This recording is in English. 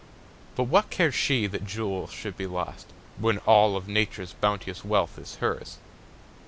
But what cares she that jewels should be lost, When all of Nature's bounteous wealth is hers?